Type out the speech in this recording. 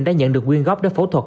đã nhận được nguyên góp để phẫu thuật